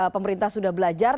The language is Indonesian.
pemerintah sudah belajar